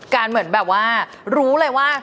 เหมือนแบบว่ารู้เลยว่า